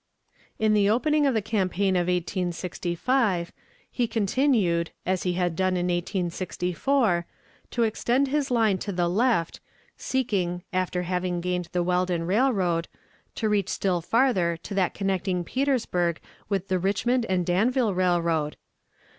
In the opening of the campaign of 1865, he continued, as he had done in 1864, to extend his line to the left, seeking, after having gained the Weldon Railroad, to reach still farther to that connecting Petersburg with the Richmond and Danville Railroad.